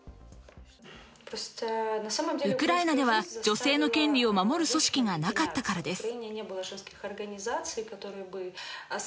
ウクライナでは女性の権利を守る組織がなかったからです。